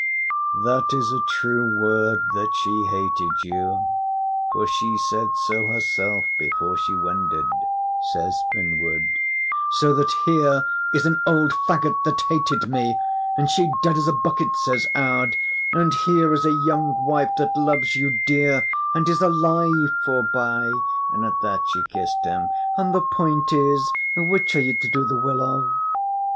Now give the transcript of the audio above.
"That is a true word that she hated you, for she said so herself before she wended," says Finnward. "So that here is an old faggot that hated me, and she dead as a bucket," says Aud; "and here is a young wife that loves you dear, and is alive forby" and at that she kissed him "and the point is, which are you to do the will of?"